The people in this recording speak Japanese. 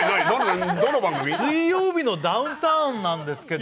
「水曜日のダウンタウン」なんですけれども。